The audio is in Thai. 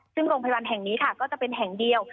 ซึ่งโรงพยาบาลแห่งนี้ค่ะก็จะเป็นแห่งเดียว